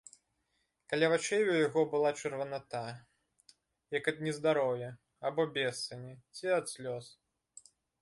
Каля вачэй у яго была чырваната, як ад нездароўя, або бессані, ці ад слёз.